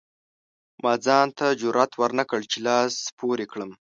ما ځان ته جرئت ورنکړ چې لاس پورې کړم.